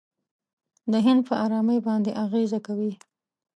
د هند پر آرامۍ باندې اغېزه کوي.